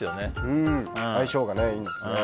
相性がいいんですね。